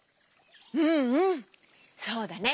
うんうんそうだね。